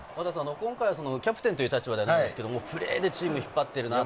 キャプテンという立場ではないですけれど、プレーでチームを引っ張っている。